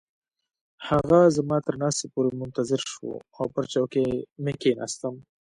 هغه زما تر ناستې پورې منتظر شو او پر چوکۍ مې کښیناستم.